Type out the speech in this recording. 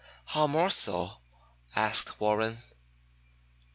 "How more so?" asked Warren.